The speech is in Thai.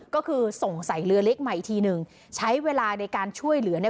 ก็คือส่งใส่เรือเล็กใหม่ทีนึงใช้เวลาในการช่วยเหลือ